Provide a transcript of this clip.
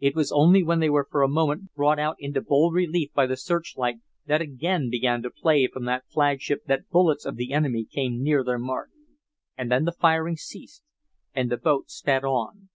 It was only when they were for a moment brought out into bold relief by the searchlight that again began to play from the flagship that the bullets of the enemy came near their mark. And then the firing ceased and the boat sped on.